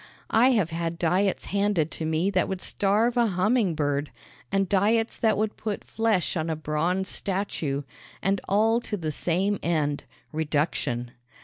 I have had diets handed to me that would starve a humming bird, and diets that would put flesh on a bronze statue; and all to the same end reduction.